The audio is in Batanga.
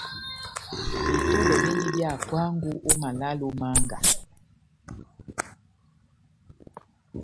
Betɔdɛ bendi bia hapuango ó malale ó mánga.